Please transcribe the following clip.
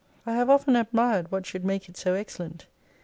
I have often admired what should make it so excellent.